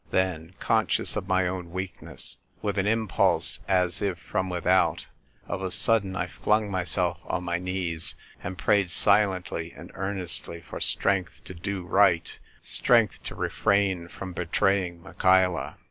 Then, conscious of my own weakness — R 250 THE TYl'E WKITEK GIRL. with an impulse as if from without, of a sudden I flung myself on my knees, and prayed silently and earnestly for strength to do right, strength to refrain from betraying Michaela.